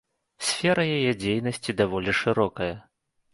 Сфера яе дзейнасці даволі шырокая.